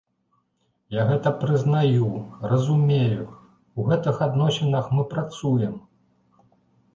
Я гэта прызнаю, разумею, у гэтых адносінах мы працуем.